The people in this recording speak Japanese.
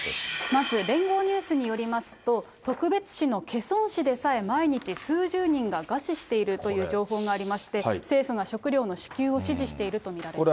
まず聯合ニュースによりますと、特別市のケソン市でさえ毎日数十人が餓死しているという情報がありまして、政府が食糧の支給を指示していると見られます。